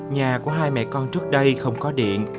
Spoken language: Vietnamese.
nhà của hai mẹ con trước đây không có điện